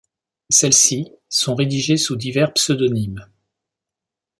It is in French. Celles-ci sont rédigées sous divers pseudonymes.